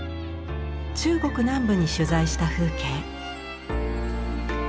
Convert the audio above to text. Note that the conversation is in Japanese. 中国南部に取材した風景。